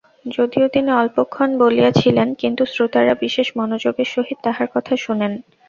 যদিও তিনি অল্পক্ষণ বলিয়াছিলেন, কিন্তু শ্রোতারা বিশেষ মনোযোগের সহিত তাঁহার কথা শুনেন।